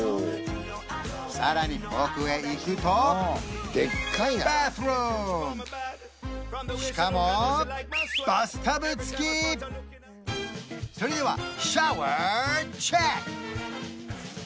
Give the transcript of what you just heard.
さらに奥へ行くとしかもそれではシャワーチェック！